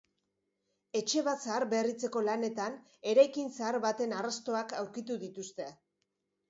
Etxe bat zaharberritzeko lanetan, eraikin zahar baten arrastoak aurkitu dituzte.